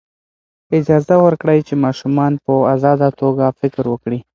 اجازه ورکړئ چې ماشومان په ازاده توګه فکر وکړي.